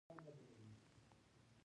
بامیان د افغانستان د انرژۍ سکتور برخه ده.